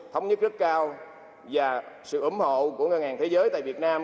thống nhất rất cao và sự ủng hộ của ngân hàng thế giới tại việt nam